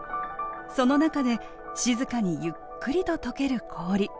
その中で静かにゆっくりと溶ける氷。